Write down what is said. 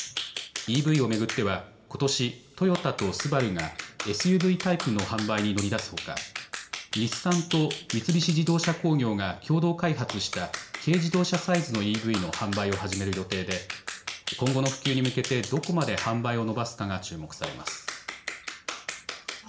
ＥＶを巡ってはことしトヨタとＳＵＢＡＲＵがＳＵＶタイプの販売に乗り出すほか日産と三菱自動車工業が共同開発した軽自動車サイズのＥＶの販売を始める予定で今後の普及に向けてどこまで販売を伸ばすかが注目されます。